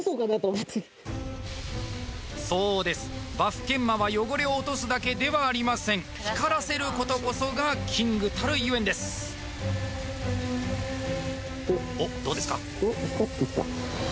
そうですバフ研磨は汚れを落とすだけではありません光らせることこそがキングたるゆえんですおっどうですか？